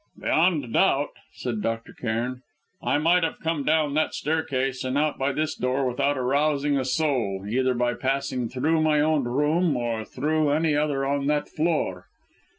"Beyond doubt," said Dr. Cairn, "I might have come down that staircase and out by this door without arousing a soul, either by passing through my own room, or through any other on that floor."